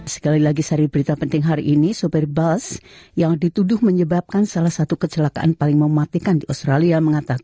sekali lagi sari berita penting hari ini sopir bals yang dituduh menyebabkan salah satu kecelakaan paling mematikan di australia mengatakan